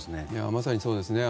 まさにそうですね。